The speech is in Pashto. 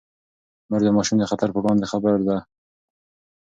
مور د ماشوم د خطر پر وړاندې خبرده ده.